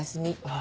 あ。